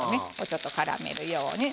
ちょっとからめるように。